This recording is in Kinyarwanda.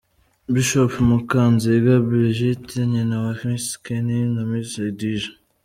Bishop Mukanziga Brigitte nyina wa Miss Kenny na Miss Eduige.